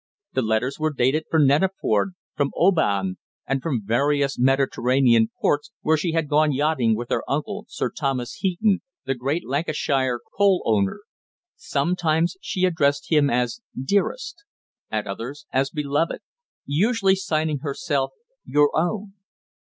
The letters were dated from Neneford, from Oban, and from various Mediterranean ports, where she had gone yachting with her uncle, Sir Thomas Heaton, the great Lancashire coal owner. Sometimes she addressed him as "Dearest," at others as "Beloved," usually signing herself "Your Own."